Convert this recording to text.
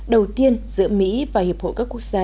đầu tiên giữa mỹ và hiệp hội các quốc gia